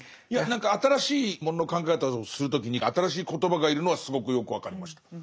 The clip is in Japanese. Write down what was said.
いや何か新しいものの考え方をする時に新しい言葉が要るのはすごくよく分かりました。